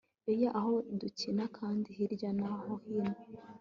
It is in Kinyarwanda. Een aho dukina kandi hirya no hino